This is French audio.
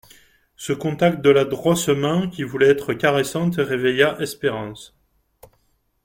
Ce contact de la grosse main qui voulait être caressante réveilla Espérance.